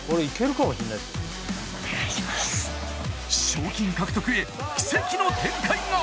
賞金獲得へ奇跡の展開が！